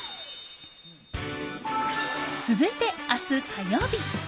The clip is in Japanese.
続いて明日、火曜日。